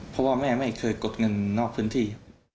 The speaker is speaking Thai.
เพราะว่าแม่ไม่เคยกดเงินนอกพื้นที่